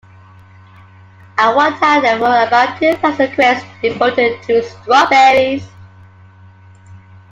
At one time there were about two thousand acres devoted to strawberries.